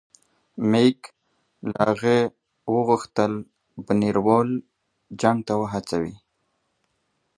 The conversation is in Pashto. موږ له هغه وغوښتل بونیروال جنګ ته وهڅوي.